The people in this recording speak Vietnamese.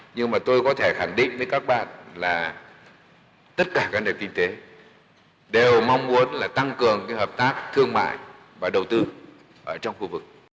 nhưng mà tôi có thể khẳng định với các bạn là tất cả các nền kinh tế đều mong muốn là tăng cường hợp tác thương mại và đầu tư ở trong khu vực